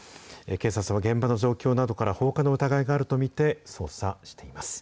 警察は現場の状況などから、放火の疑いがあると見て捜査しています。